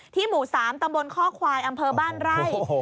หมู่๓ตำบลข้อควายอำเภอบ้านไร่